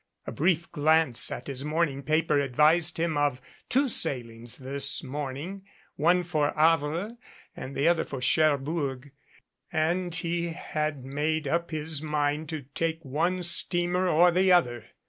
A brief glance at his morning paper advised him of two sailings this morning, one for Havre and the other for Cherbourg, and he had made up his mind to take one steamer or the other.